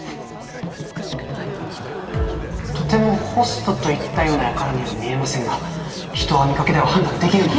とてもホストといったような輩には見えませんが人は見かけでは判断できぬもの。